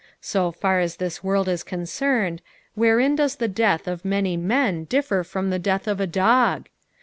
So far as this world is concerned, wherein does the death of many men differ from the death of a dog